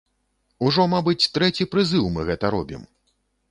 Ужо мабыць трэці прызыў мы гэта робім.